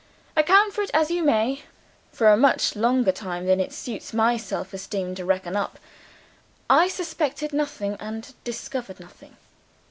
Account for it as you may for a much longer time than it suits my self esteem to reckon up, I suspected nothing and discovered nothing.